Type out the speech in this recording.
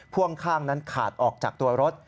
พ่วงข้างนั้นขาดออกจากตัวรถ